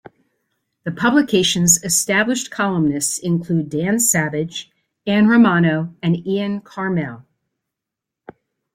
The publication's established columnists include Dan Savage, Ann Romano and Ian Karmel.